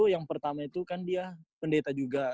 yang pertama itu kan dia pendeta juga